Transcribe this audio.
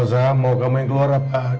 usaha mau kamu yang keluar apa